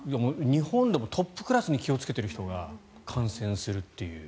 日本でもトップクラスに気をつけている人が感染するという。